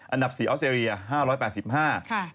อันดับสี่ออสเจรีย๕๘๕คะแนน